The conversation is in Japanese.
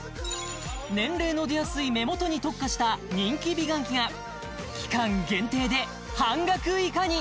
年齢の出やすい目元に特化した人気美顔器が期間限定で半額以下に！